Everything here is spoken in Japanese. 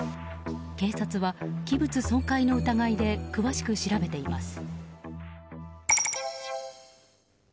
警察は器物損壊の疑いで詳しく調べています。